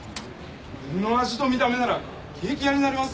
この味と見た目ならケーキ屋になれますよ